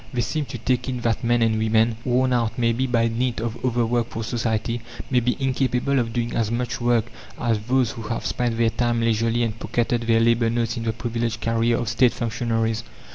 They seem to take in that men and women, worn out maybe by dint of overwork for society, may be incapable of doing as much work as those who have spent their time leisurely and pocketed their "labour notes" in the privileged career of State functionaries.